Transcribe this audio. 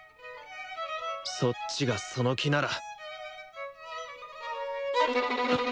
そっちがその気なら！